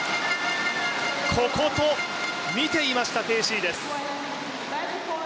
ここと、見ていました鄭思緯です。